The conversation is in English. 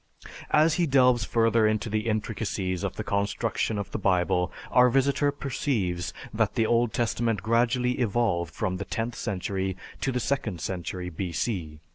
As he delves further into the intricacies of the construction of the Bible, our visitor perceives that the Old Testament gradually evolved from the tenth century to the second century B.C.